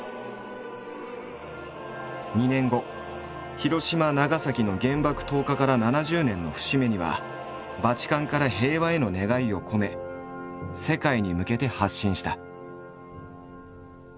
２年後広島長崎の原爆投下から７０年の節目にはバチカンから平和への願いを込め世界に向けて発信した。